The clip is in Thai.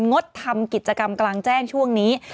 งดทำกิจกรรมกลางแจ้งช่วงนี้